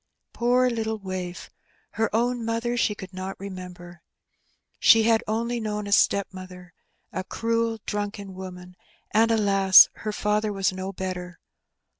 Poor little waif! Her own mother she could not remember. She had only known a stepmother — a cruel, drunken woman; and, alas! her father was no better.